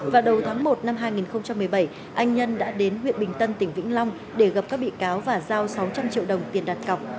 vào đầu tháng một năm hai nghìn một mươi bảy anh nhân đã đến huyện bình tân tỉnh vĩnh long để gặp các bị cáo và giao sáu trăm linh triệu đồng tiền đặt cọc